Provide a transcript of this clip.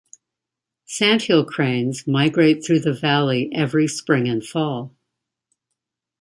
Sandhill cranes migrate through the valley every spring and fall.